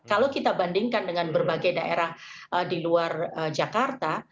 kalau kita bandingkan dengan berbagai daerah di luar jakarta